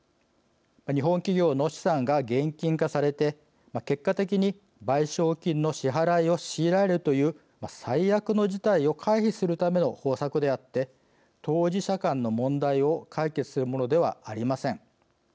日本企業の資産が現金化されて結果的に賠償金の支払いを強いられるという最悪の事態を回避するための方策であって当事者間の問題を解決するものではありません。